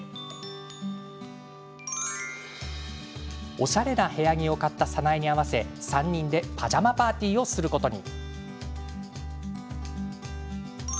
おしゃれな部屋着を買った沙苗に合わせ、３人でパジャマパーティーをすることに。